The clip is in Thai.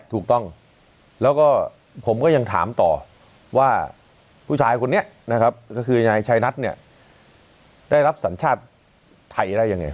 ถูกต้องแล้วก็ผมก็ยังถามต่อว่าผู้ชายคนนี้นะครับก็คือนายชายนัทเนี่ยได้รับสัญชาติไทยได้ยังไง